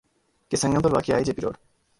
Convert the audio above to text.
کے سنگم پر واقع آئی جے پی روڈ